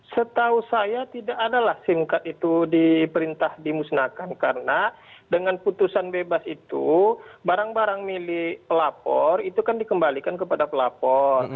setahu saya tidak adalah sim card itu diperintah dimusnahkan karena dengan putusan bebas itu barang barang milik pelapor itu kan dikembalikan kepada pelapor